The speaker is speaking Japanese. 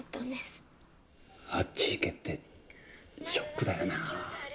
あっち行けってショックだよな。